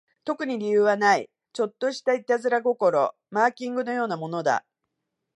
特に理由はない、ちょっとした悪戯心、マーキングのようなものだ